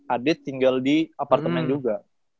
adit tinggal di apartemen juga